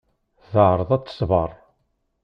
Teɛreḍ ad t-tṣebber.